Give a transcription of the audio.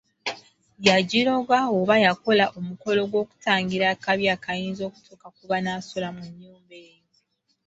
Yagiroga oba y’akola omukolo gw’okutangira akabi akayinza okutuuka ku banaasula mu nnyumba eyo.